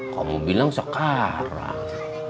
kamu bilang sekarang